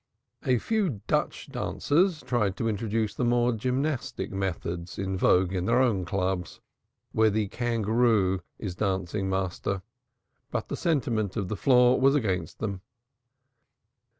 A few Dutch dancers tried to introduce the more gymnastic methods in vogue in their own clubs, where the kangaroo is dancing master, but the sentiment of the floor was against them.